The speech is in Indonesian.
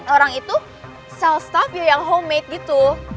orang itu sell stuff yang homemade gitu